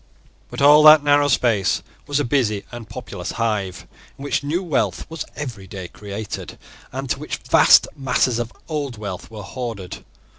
But all that narrow space was a busy and populous hive, in which new wealth was every day created, and in which vast masses of old wealth were hoarded.